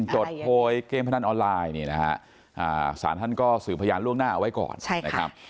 จดโทยกมนานออนไลน์อ่ะสารท่านก็สื่อพยานล่วงหน้าเอาไว้ก่อน